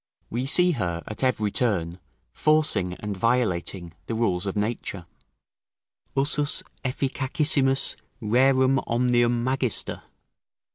We see her, at every turn, forcing and violating the rules of nature: "Usus efficacissimus rerum omnium magister."